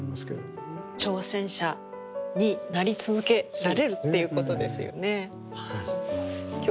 挑戦者になり続けられるっていうことですよね。